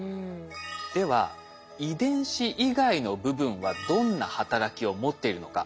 では遺伝子以外の部分はどんな働きを持っているのか。